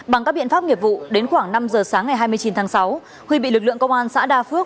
bằng các biện pháp nghiệp vụ đến khoảng năm giờ sáng ngày hai mươi chín tháng sáu huy bị lực lượng công an xã đa phước